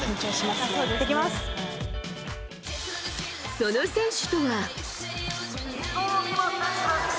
その選手とは。